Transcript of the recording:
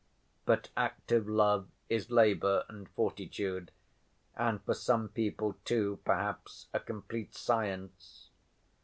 But active love is labor and fortitude, and for some people too, perhaps, a complete science.